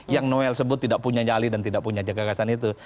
yang noel sebut tidak punya jali dan tidak punya jaga kakasan itu